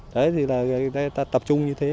đấy thì ta tập trung như thế